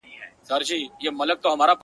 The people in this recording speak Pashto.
نه ادا سول د سرکار ظالم پورونه٫